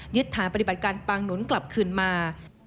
ฐานปฏิบัติการปางหนุนกลับคืนมา